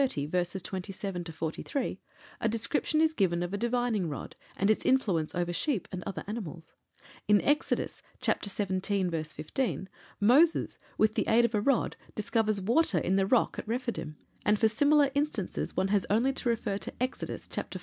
verses 27 43, a description is given of a divining rod and its influence over sheep and other animals; in Exodus, chapter xvii., verse 15, Moses with the aid of a rod discovers water in the rock at Rephidim, and for similar instances one has only to refer to Exodus, chapter xiv.